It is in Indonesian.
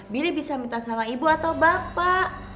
billy bisa minta sama ibu atau bapak